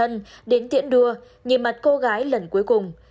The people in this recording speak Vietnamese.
nhìn tiễn đưa nhìn mặt cô gái lần cuối cùng